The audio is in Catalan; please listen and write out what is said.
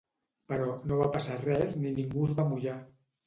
Però no va passar res ni ningú es va mullar.